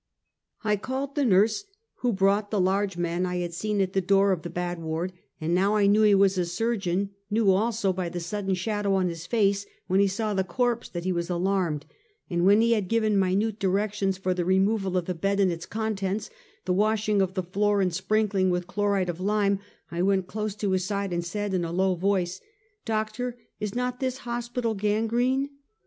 I called the nurse, who brought the large man I had seen at the door of the bad ward, and now I knew he was a surgeon, knew also, by the sudden shadow on his face when he saw the corpse, that he was alarmed; and when he had given minute directions for the removal of the bed and its contents, the washing of the floor and sprink ling with chloride of lime, I went close to his side, and said in a low voice: "Doctor, is not this hospital gangrene?